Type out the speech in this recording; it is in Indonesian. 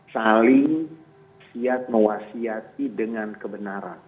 saling siap mewasiati dengan kebenaran